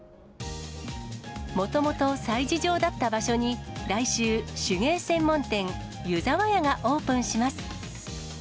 もともと催事場だった場所に、来週、手芸専門店、ユザワヤがオープンします。